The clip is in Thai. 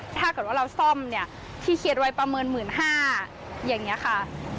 ถ้าเกิดว่าเราซ่อมเนี่ยที่เขียนไว้ประเมิน๑๕๐๐อย่างนี้ค่ะ